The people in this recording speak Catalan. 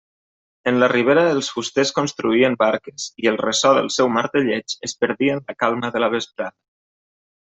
En la ribera els fusters construïen barques, i el ressò del seu martelleig es perdia en la calma de la vesprada.